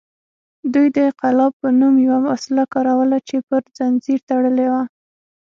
دوی د قلاب په نوم یوه وسله کاروله چې پر زنځیر تړلې وه